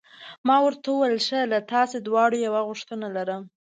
ما ورته وویل: ښه، له تاسي دواړو یوه غوښتنه لرم.